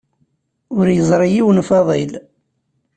Ur yeẓri yiwen Faḍil.